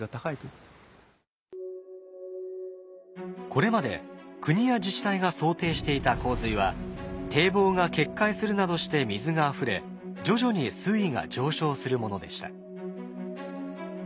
これまで国や自治体が想定していた洪水は堤防が決壊するなどして水があふれ徐々に水位が上昇するものでした。